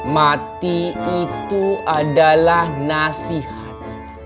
mati itu adalah nasihat